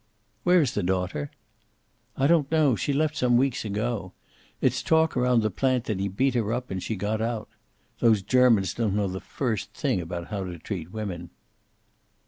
"Where is the daughter?" "I don't know. She left some weeks ago. It's talk around the plant that he beat her up, and she got out. Those Germans don't know the first thing about how to treat women."